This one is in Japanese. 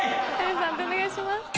判定お願いします。